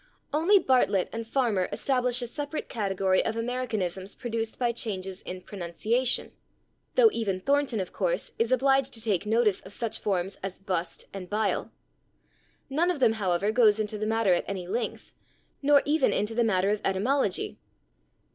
Only Bartlett and Farmer establish a separate category of Americanisms produced by changes in pronunciation, though even Thornton, of course, is obliged to take notice of such forms as /bust/ and /bile/. None of them, however, goes into the matter at any length, nor even into the matter of etymology.